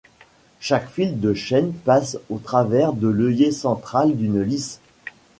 Chaque fil de chaîne passe au travers de l'œillet central d'une lisse.